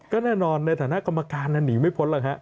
ก็แน่นอนในฐานะกรรมการนั้นหนีไม่พ้นแล้วฮะ